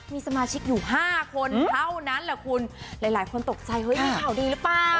มีสมาชิกอยู่ห้าคนเท่านั้นแหละคุณหลายคนตกใจเฮ้ยมีข่าวดีหรือเปล่า